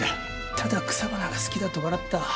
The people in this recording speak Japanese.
ただ草花が好きだと笑った。